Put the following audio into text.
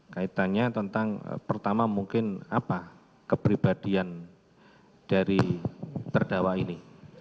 kaitannya tentang pertama mungkin apa kepribadian dari terdakwa ini